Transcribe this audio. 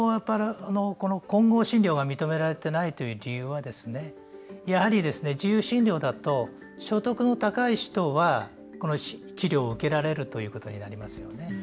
混合治療が認められてない理由はやはり自由診療だと所得の高い人は治療を受けられるということになりますよね。